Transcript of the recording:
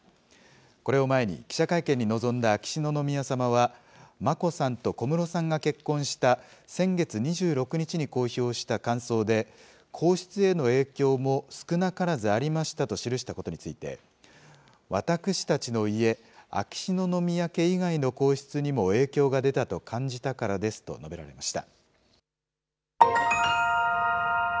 これを前に記者会見に臨んだ秋篠宮さまは、眞子さんと小室さんが結婚した先月２６日に公表した感想で、皇室への影響も少なからずありましたと記したことについて、私たちの家、秋篠宮家以外の皇室にも影響が出たと感じたからですと述べられました。